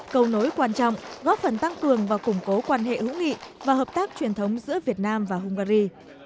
cầu nối quan trọng góp phần tăng cường và củng cố quan hệ hữu nghị và hợp tác truyền thống giữa việt nam và hungary